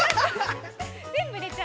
◆全部入れちゃう。